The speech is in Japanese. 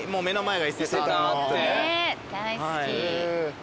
大好き。